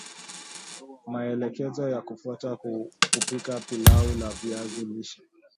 Maelekezo ya kufuata kupika pilau la viazi lishe